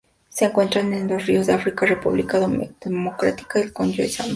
Se encuentran en ríos de África:República Democrática del Congo y Zambia.